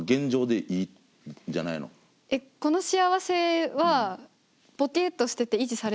えっこの幸せはボケっとしてて維持されるんですか？